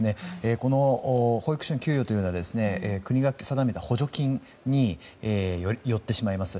保育士の給料というのは国が定めた補助金によってしまいます。